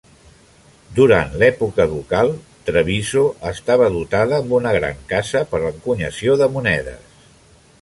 Durant l'època ducal, Treviso estava dotada amb una gran casa per a l'encunyació de monedes.